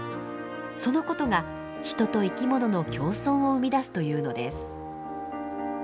そのことが人と生き物の共存を生み出すというのです。